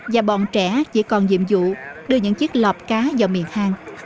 và bọn trẻ chỉ còn nhiệm vụ đưa những chiếc lọt cá vào miệng hang